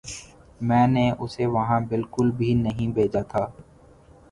میں نے اسے وہاں بالکل بھی نہیں بھیجا تھا